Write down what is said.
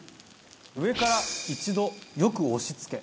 上から一度よく押し付け。